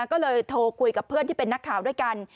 ก็เลยโทรคุยกับเพื่อนที่เป็นนักข่าวด้วยกัน